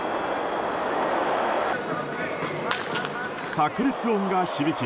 炸裂音が響き